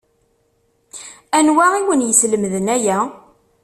Anwa i wen-yeslemden aya?